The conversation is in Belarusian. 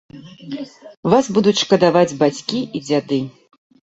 Вас будуць шкадаваць бацькі і дзяды.